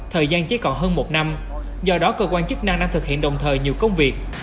thời gian chỉ còn hơn một năm do đó cơ quan chức năng đang thực hiện đồng thời nhiều công việc